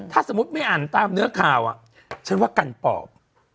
ถ้าสมมุติไม่อ่านตามเนื้อข่าวฉันว่ากันปอบ